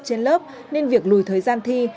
trên lớp nên việc lùi thời gian thi